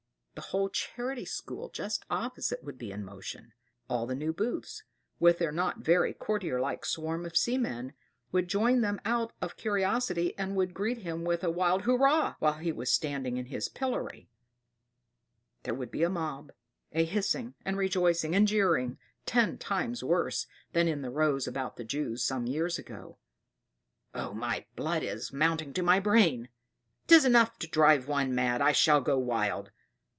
The whole Charity School, just opposite, would be in motion; all the new booths, with their not very courtier like swarm of seamen, would join them out of curiosity, and would greet him with a wild "hurrah!" while he was standing in his pillory: there would be a mob, a hissing, and rejoicing, and jeering, ten times worse than in the rows about the Jews some years ago "Oh, my blood is mounting to my brain; 'tis enough to drive one mad! I shall go wild!